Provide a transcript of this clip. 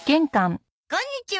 こんにちは。